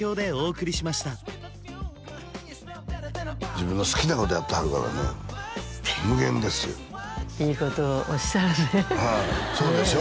自分の好きなことやってはるからね無限ですよいいことをおっしゃるねはいそうでしょ？